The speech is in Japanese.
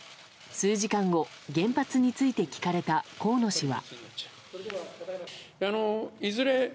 数時間後、原発について聞かれた河野氏は。